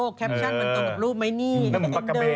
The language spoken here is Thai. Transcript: เดี๋ยวมีอีก